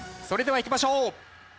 それではいきましょう！